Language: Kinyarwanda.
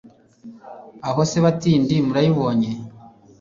Aho se batindi murayibonye!